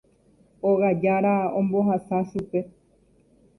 Óga jára ombohasa chupe.